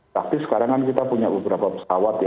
tapi sekarang kan kita punya beberapa pesawat ya